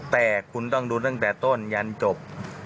แต่คุณต้องดูตั้งแต่ต้นยันจบ